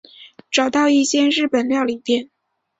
找到一间日本料理店